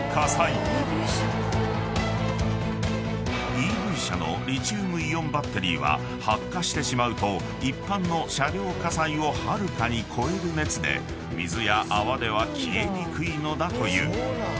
［ＥＶ車のリチウムイオンバッテリーは発火してしまうと一般の車両火災をはるかに超える熱で水や泡では消えにくいのだという］